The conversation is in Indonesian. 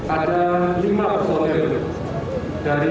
ada lima pesawat yang berhubung